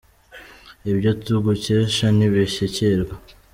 Ibyo tugukesha ntibishyikirwa;